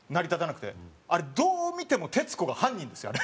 あれどう見ても徹子が犯人ですよあれ。